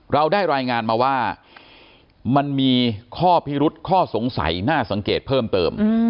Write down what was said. เราได้รายงานมีข้อพิรุษข้อสงสัยนะสังเกตเพิ่มเติม